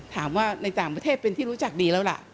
ถามว่าในต่างประเทศเป็นที่รู้จักดีแล้วล่ะ